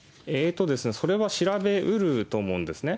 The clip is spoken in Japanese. それは調べうると思うんですね。